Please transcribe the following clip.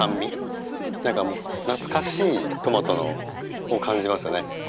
なんか懐かしいトマトを感じますよね。